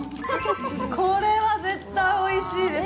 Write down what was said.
これは絶対おいしいです。